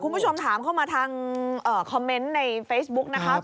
คุณผู้ชมถามเข้ามาทางคอมเมนต์ในเฟซบุ๊กนะคะ